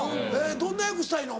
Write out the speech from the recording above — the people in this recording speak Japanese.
どんな役したいの？